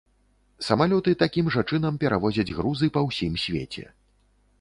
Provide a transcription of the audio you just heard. Самалёты такім жа чынам перавозяць грузы па ўсім свеце.